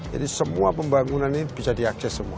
jadi semua pembangunan ini bisa diakses semua